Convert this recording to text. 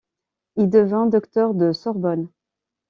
Il devint docteur de Sorbonne.